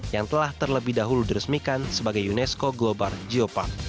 yang telah terlebih dahulu diresmikan sebagai unesco global geopark